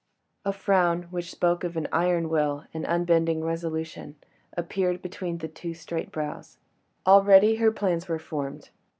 A frown, which spoke of an iron will and unbending resolution, appeared between the two straight brows; already her plans were formed.